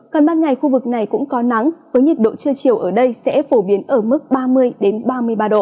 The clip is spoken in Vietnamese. còn ban ngày khu vực này cũng có nắng với nhiệt độ trưa chiều ở đây sẽ phổ biến ở mức ba mươi ba mươi ba độ